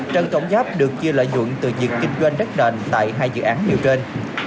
trần trọng giáp được chia lợi nhuận từ việc kinh doanh đất nền tại hai dự án điều trên